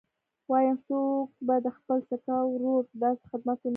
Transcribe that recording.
وايم څوک به د خپل سکه ورور داسې خدمت ونه کي.